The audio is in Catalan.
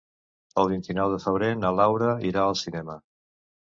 El vint-i-nou de febrer na Laura irà al cinema.